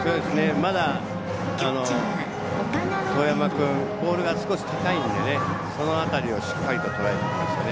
まだ當山君ボールが少し高いのでその辺りをしっかりととらえてきましたね。